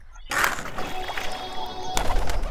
هلته سور رنګ ساتنه ښيي.